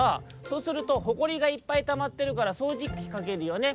「そうするとほこりがいっぱいたまってるからそうじきかけるよね？